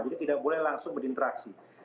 jadi tidak boleh langsung berinteraksi